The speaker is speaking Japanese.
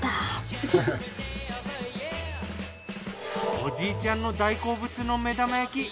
おじいちゃんの大好物の目玉焼き。